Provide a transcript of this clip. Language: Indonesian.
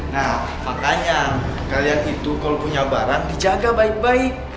nah makanya kalian itu kalau punya barang dijaga baik baik